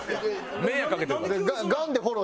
迷惑かけてるから。